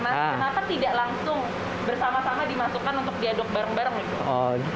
kenapa tidak langsung bersama sama dimasukkan untuk diaduk bareng bareng gitu